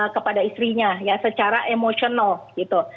kepada istrinya ya secara emosional gitu